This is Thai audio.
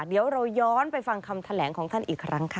เดี๋ยวเราย้อนไปฟังคำแถลงของท่านอีกครั้งค่ะ